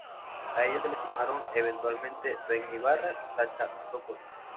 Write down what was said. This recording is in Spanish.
A ellos se les sumaron eventualmente Benny Ibarra y Sasha Sokol.